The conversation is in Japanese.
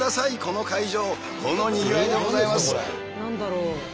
何だろう？